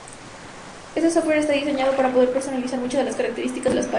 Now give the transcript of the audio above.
Este software está diseñado para poder personalizar muchas de las características de las páginas.